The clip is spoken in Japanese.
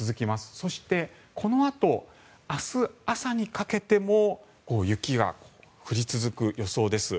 そしてこのあと明日朝にかけても雪は降り続く予想です。